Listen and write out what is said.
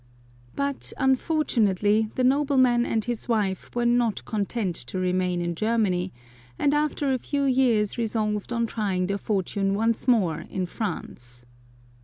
But, unfortunately, the nobleman and his wife were not content to remain in Germany, and after a few years resolved on trying their fortune once more in France.